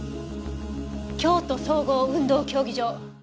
京都総合運動競技場。